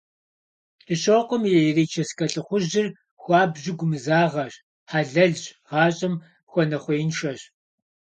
КӀыщокъуэм и лирическэ лӀыхъужьыр хуабжьу гумызагъэщ, хьэлэлщ, гъащӀэм хуэнэхъуеиншэщ.